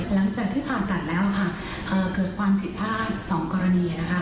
หลังจากที่ผ่าตัดแล้วเกิดความผิดท่าใน๒กรณี